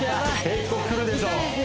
結構くるでしょう